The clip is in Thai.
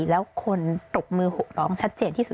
แล้วคนตบมือหกร้องชัดเจนที่สุด